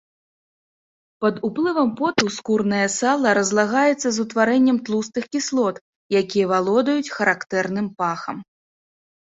Пад уплывам поту скурнае сала разлагаецца з утварэннем тлустых кіслот, якія валодаюць характэрным пахам.